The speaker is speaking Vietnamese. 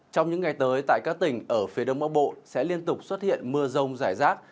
trong những ngày tới tại các tỉnh ở phía đông bắc bộ sẽ liên tục xuất hiện mưa rông rải rác